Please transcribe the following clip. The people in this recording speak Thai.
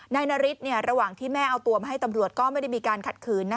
นาริสระหว่างที่แม่เอาตัวมาให้ตำรวจก็ไม่ได้มีการขัดขืน